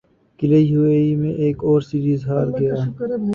قلعے U A E میں ایک اور سیریز ہار گیا